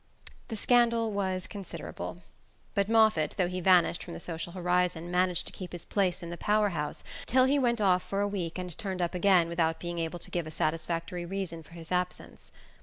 The scandal was considerable, but Moffatt, though he vanished from the social horizon, managed to keep his place in the power house till he went off for a week and turned up again without being able to give a satisfactory reason for his absence.